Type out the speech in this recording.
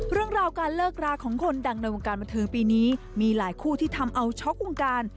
เรื่องราวการเลิกราของคนดังในวงการบันเทิงปีนี้มีหลายคู่ที่ทำเอาช็อกวงการ